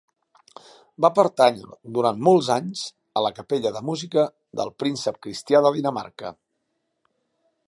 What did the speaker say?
Va pertànyer durant molts anys a la capella de música del príncep Cristià de Dinamarca.